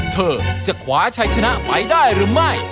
เธอจะขวาชัยชนะไปได้หรือไม่